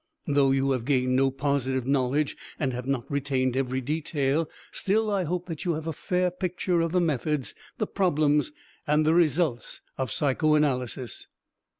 Though you have gained no positive knowledge and have not retained every detail, still I hope that you have a fair picture of the methods, the problems and the results of psychoanalysis.